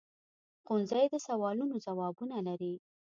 ښوونځی د سوالونو ځوابونه لري